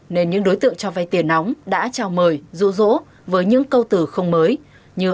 nên những đối tượng cho vay tiền nóng đã trao mời rũ rỗ với những câu từ không mới như